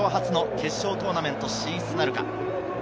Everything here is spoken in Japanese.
史上初の決勝トーナメント進出なるか？